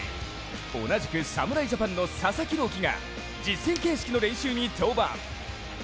同じく侍ジャパンの佐々木朗希が実戦形式の練習に登板。